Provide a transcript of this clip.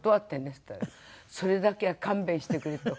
っつったら「それだけは勘弁してくれ」と。